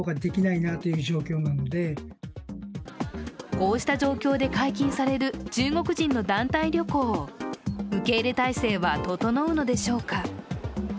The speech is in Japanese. こうした状況で解禁される中国人の団体旅行受け入れ態勢は整うのでしょうか。